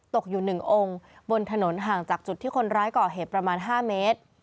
ตกอยู่๑องค์บนถนนห่างจากจุดที่คนร้ายก่อเหตุประมาณ๕เมตร